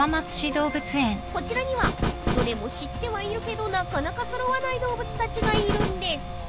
［こちらにはどれも知ってはいるけどなかなか揃わない動物たちがいるんです］